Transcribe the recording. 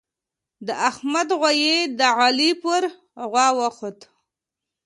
د احمد غويی د علي پر غوا وخوت.